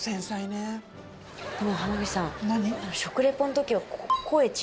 でも浜口さん。何？